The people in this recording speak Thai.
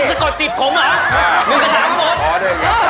มึงก็ถามกันหมด